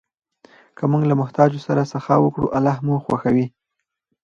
که موږ له محتاجو سره سخا وکړو، الله مو خوښوي.